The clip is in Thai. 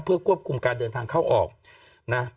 เพื่อควบคุมการเดินทางเข้าออกนะ